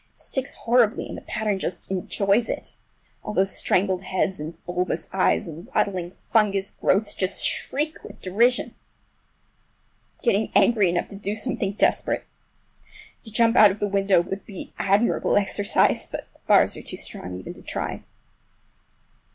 It sticks horribly and the pattern just enjoys it! All those strangled heads and bulbous eyes and waddling fungus growths just shriek with derision! I am getting angry enough to do something desperate. To jump out of the window would be admirable exercise, but the bars are too strong even to try.